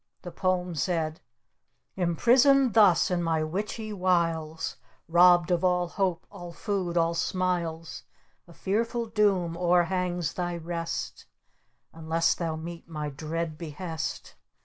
The poem said: Imprisoned thus in my Witchy Wiles, Robbed of all hope, all food, all smiles, A Fearful Doom o'er hangs thy Rest, Unless thou meet my Dread Behest!